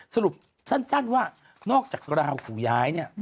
สรุปสั้นว่านอกจากราหูย้ายเนี่ย